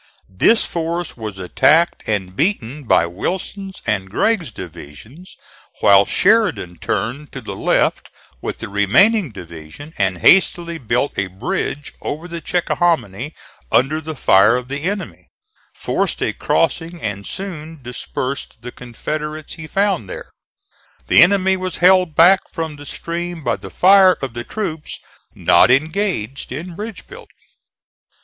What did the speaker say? This force was attacked and beaten by Wilson's and Gregg's divisions, while Sheridan turned to the left with the remaining division and hastily built a bridge over the Chickahominy under the fire of the enemy, forced a crossing and soon dispersed the Confederates he found there. The enemy was held back from the stream by the fire of the troops not engaged in bridge building.